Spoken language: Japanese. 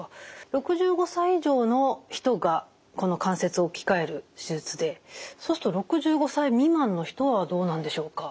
６５歳以上の人がこの関節を置き換える手術でそうすると６５歳未満の人はどうなんでしょうか？